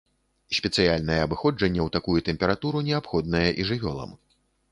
Спецыяльнае абыходжанне ў такую тэмпературу неабходнае і жывёлам.